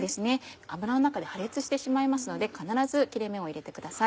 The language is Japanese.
油の中で破裂してしまいますので必ず切れ目を入れてください。